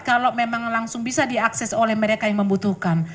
kalau memang langsung bisa diakses oleh mereka yang membutuhkan